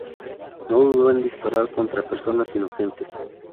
No dudó en disparar contra personas inocentes.